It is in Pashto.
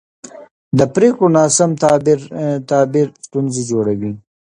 د پرېکړو ناسم تعبیر ستونزې جوړوي